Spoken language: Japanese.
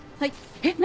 えっ何！？